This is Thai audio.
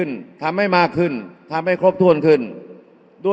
อย่าให้ลุงตู่สู้คนเดียว